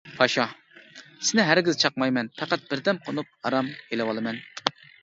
پاشا: سېنى ھەرگىز چاقمايمەن، پەقەت بىردەم قونۇپ ئارام ئېلىۋالىمەن.